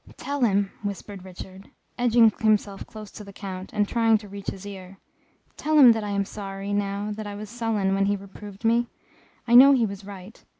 "Tell him," whispered Richard, edging himself close to the Count, and trying to reach his ear, "tell him that I am sorry, now, that I was sullen when he reproved me. I know he was right.